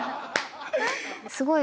すごい。